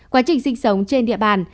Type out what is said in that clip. quá trình sinh sống trên địa bàn